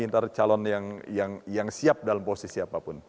nanti calon yang siap dalam posisi apapun